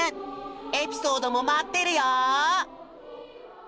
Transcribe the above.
エピソードも待ってるよ。